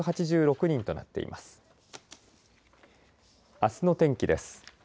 あすの天気です。